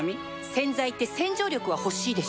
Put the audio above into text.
洗剤って洗浄力は欲しいでしょ